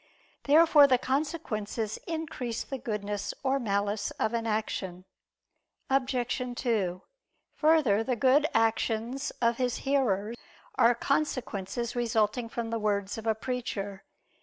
Therefore the consequences increase the goodness or malice of an action. Obj. 2: Further, the good actions of his hearers are consequences resulting from the words of a preacher.